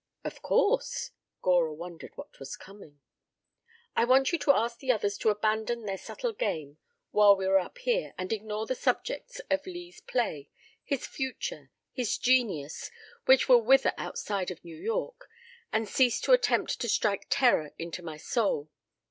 "Of course." Gora wondered what was coming. "I want you to ask the others to abandon their subtle game while we are up here and ignore the subjects of Lee's play, his future, his genius, which will wither outside of New York, and cease to attempt to strike terror into my soul.